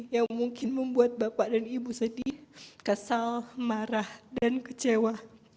yang mungkin membuat bapak dan ibu sedih kesal marah dan kecewa